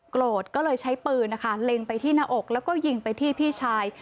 โกรธก็เลยใช้ปืนนะคะเล็งไปที่หน้าอกแล้วก็ยิงไปที่พี่ชาย